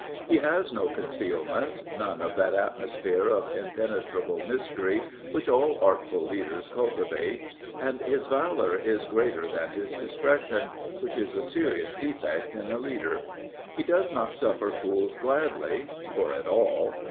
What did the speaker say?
He has no concealments, none of that atmosphere of impene trable mystery which all artful leaders cultivate, and his valour is greater than his discretion, which is a serious defect in a leader. He does not suffer fools gladly, or at all.